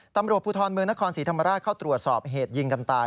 ตำรวจภูทรเมืองนครศรีธรรมราชเข้าตรวจสอบเหตุยิงกันตาย